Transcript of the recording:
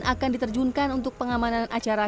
akan diterjunkan untuk pengamanan acara